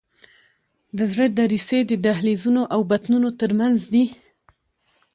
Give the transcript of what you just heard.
د زړه دریڅې د دهلیزونو او بطنونو تر منځ دي.